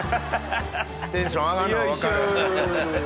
テンション上がんの分かる。